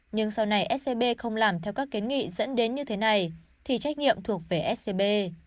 nhưng sau này scb không làm theo các kiến nghị dẫn đến như thế này thì trách nhiệm thuộc về scb